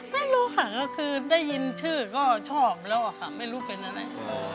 ไม่รู้ค่ะก็คือได้ยินชื่อก็ชอบแล้วอะค่ะไม่รู้เป็นอะไร